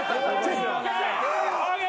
ＯＫ！